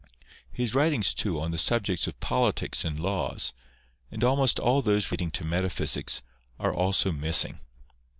His writings, too, on the subjects of politics and laws, and almost all those relating to metaphysics, are also missing.